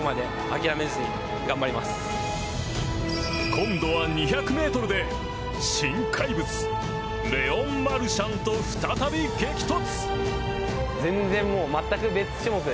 今度は２００ｍで、新怪物レオン・マルシャンと再び激突！